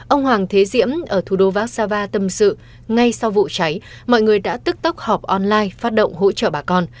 ông hoàng thế diễm ở thủ đô vác xa va tâm sự ngay sau vụ cháy mọi người đã tức tốc họp online phát động hỗ trợ bà con